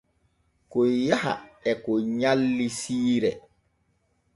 Kon yaha e kon nyalli siire.